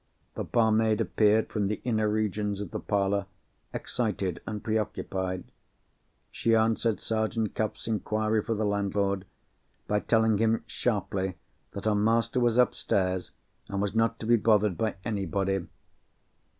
The barmaid appeared from the inner regions of the parlour, excited and preoccupied. She answered Sergeant Cuff's inquiry for the landlord, by telling him sharply that her master was upstairs, and was not to be bothered by anybody.